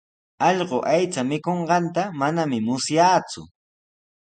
Allqu aycha mikunqanta manami musyaaku.